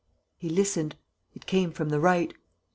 He listened. It came from the right.